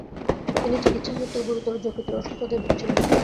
তিনি চিকিৎসা সত্ত্বেও গুরুতর যকৃতের অসুস্থতায় ভুগছিলেন।